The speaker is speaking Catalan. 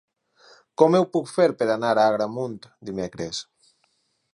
Com ho puc fer per anar a Agramunt dimecres?